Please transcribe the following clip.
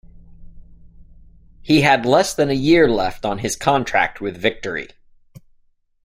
He had less than a year left on his contract with Victory.